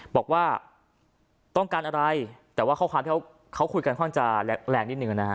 บอกว่าต้องการอะไรแต่ว่าข้อความที่เขาคุยกันค่อนข้างจะแรงนิดนึงนะฮะ